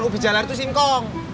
ubi jalar itu singkong